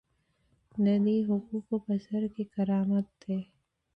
د دې حقوقو په سر کې کرامت دی.